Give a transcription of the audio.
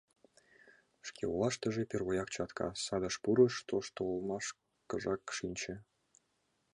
Шке олаштыже первояк чатка садыш пурыш, тошто олмышкыжак шинче.